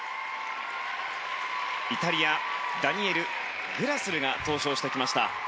イタリアダニエル・グラスルが登場してきました。